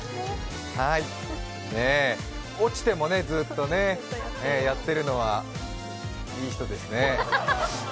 落ちても、ずっとやっているのはいい人ですね。